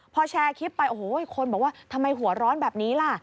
พอแชร์คลิปไปโอ้โหคนบอกว่าทำไมหัวร้อนแบบนี้ล่ะ